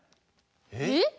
えっ？